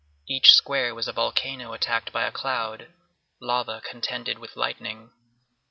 Each square was a volcano attacked by a cloud; lava contended with lightning.